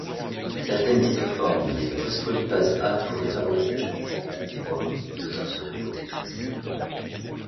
Certaines isoformes des phospholipases A pourraient favoriser la genèse de l’athérome, d’autres seraient protectrices.